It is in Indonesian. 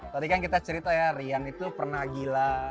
tadi kan kita cerita ya rian itu pernah gila